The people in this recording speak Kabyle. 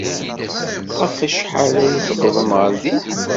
Ɣef wacḥal ay tewwḍemt ɣer din?